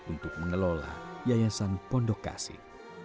untuk mengelola yayasan pondok kasih